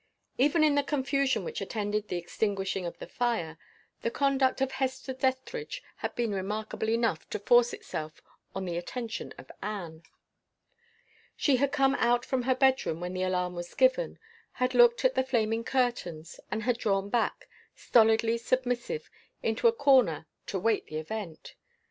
Even in the confusion which attended the extinguishing of the fire, the conduct of Hester Dethridge had been remarkable enough to force itself on the attention of Anne. She had come out from her bedroom, when the alarm was given; had looked at the flaming curtains; and had drawn back, stolidly submissive, into a corner to wait the event.